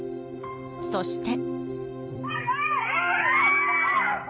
そして。